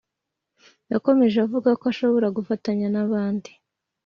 Yakomeje avuga ko ashobora gufatanya n’abandi